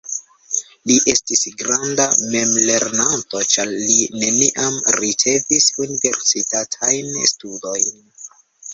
Li estis granda memlernanto ĉar li neniam ricevis universitatajn studojn.